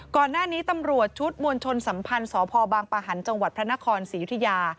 ก่อนหน้านี้ตำรวจชุดมวลชนสัมพันธ์สพบางปะหันต์จังหวัดพระนครศรียุธิยา